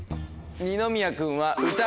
二宮君は。